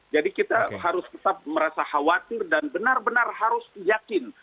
jadi kita harus tetap merasa khawatir dan benar benar harus yakin